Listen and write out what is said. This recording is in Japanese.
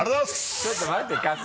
ちょっと待って春日。